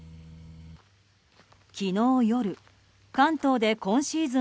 昨日夜、関東で今シーズン